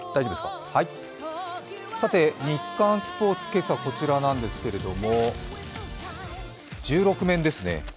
日刊スポーツ、今朝こちらなんですけれども、１６面ですね。